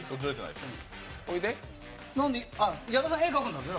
矢田さん、絵描くんだよ。